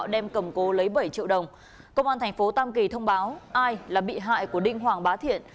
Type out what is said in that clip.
đem cầm cố lấy bảy triệu đồng công an thành phố tam kỳ thông báo ai là bị hại của đinh hoàng bá thiện